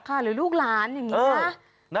หรือลูกหลานอย่างนี้คะ